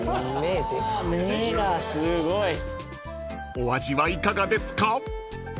［お味はいかがですか？］